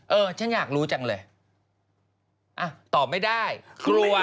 เออฉันอยากรู้จังเลยอ่ะตอบไม่ได้กลัว